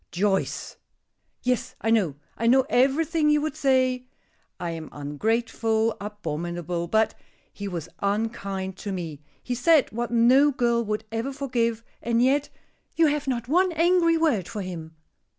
"Joyce!" "Yes, I know I know everything you would say. I am ungrateful, abominable, but He was unkind to me! He said what no girl would ever forgive, and yet you have not one angry word for him."